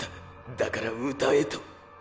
だから歌えと。